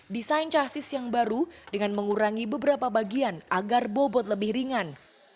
desain casis yang baru dengan mengurangi beberapa bagian agar bobot lebih ringan